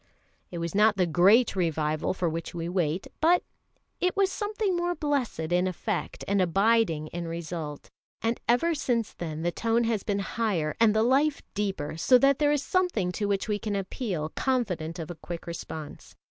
It was not the Great Revival for which we wait, but it was something most blessed in effect and abiding in result; and ever since then the tone has been higher and the life deeper, so that there is something to which we can appeal confident of a quick response.